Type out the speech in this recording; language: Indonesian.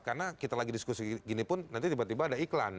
karena kita lagi diskusi gini pun nanti tiba tiba ada iklan